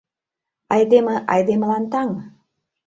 Айдеме — айдемылан таҥ.